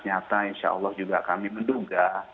nyata insya allah juga kami menduga